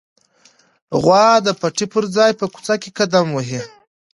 غوا د پټي پر ځای په کوڅه کې قدم واهه.